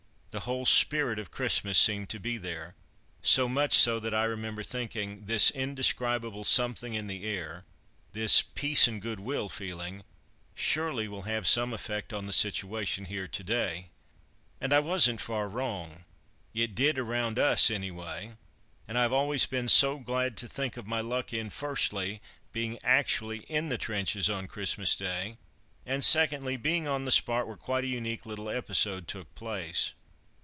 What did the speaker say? The whole spirit of Christmas seemed to be there, so much so that I remember thinking, "This indescribable something in the air, this Peace and Goodwill feeling, surely will have some effect on the situation here to day!" And I wasn't far wrong; it did around us, anyway, and I have always been so glad to think of my luck in, firstly, being actually in the trenches on Christmas Day, and, secondly, being on the spot where quite a unique little episode took place.